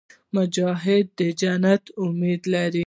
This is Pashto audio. مجاهد د جنت امید لري.